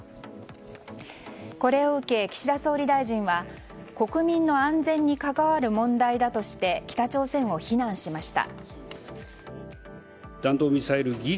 これを受け、岸田総理大臣は国民の安全に関わる問題だとして北朝鮮を非難しました。